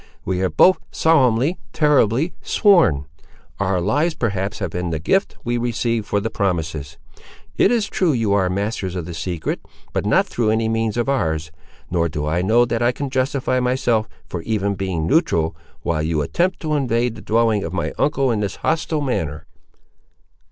We are both solemnly, terribly, sworn; our lives perhaps have been the gift we received for the promises. It is true you are masters of the secret, but not through any means of ours; nor do I know that I can justify myself, for even being neutral, while you attempt to invade the dwelling of my uncle in this hostile manner."